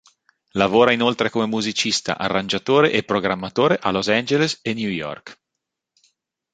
Lavora inoltre come musicista, arrangiatore e programmatore a Los Angeles e New York.